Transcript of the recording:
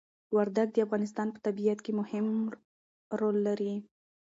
وردګ د افغانستان په طبيعت کي مهم ړول لري